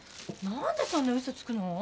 何でそんな嘘つくの？